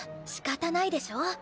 しかたないでしょ。